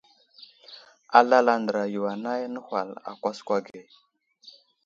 Alal andra yo anay nəhwal a kwaskwa ge.